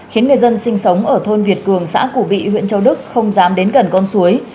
khiến người dân sinh sống ở thôn việt cường xã củ bị huyện châu đức không dám đến gần con suối